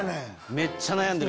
めっちゃ悩んでる！